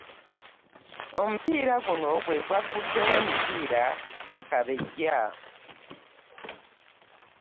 Omupiira guno gwe gwaggudewo emipiira gikabeja